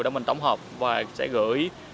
để mình tổng hợp và sẽ gửi